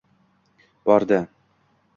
Bordi.